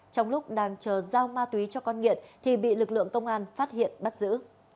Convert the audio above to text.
trong lúc đang chờ giao ma túy cho con nghiện thì bị lực lượng công an phát hiện bắt giữ